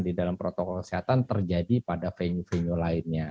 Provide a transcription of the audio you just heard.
di dalam protokol kesehatan terjadi pada venue venue lainnya